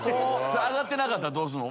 上がってなかったらどうすんの？